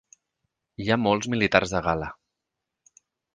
Hi ha molts militars de gala.